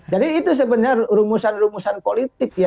jadi itu sebenarnya rumusan rumusan politik ya